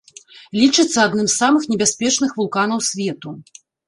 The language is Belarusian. Лічыцца адным з самых небяспечных вулканаў свету.